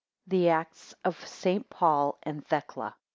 ] THE ACTS OF ST. PAUL AND THECLA.